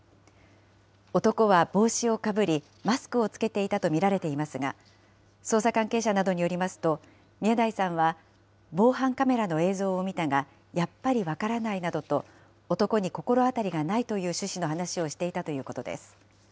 男は帽子をかぶり、マスクを着けていたと見られていますが、捜査関係者などによりますと、宮台さんは防犯カメラの映像を見たが、やっぱりわからないなどと、男に心当たりがないという趣旨の話をしていたということです。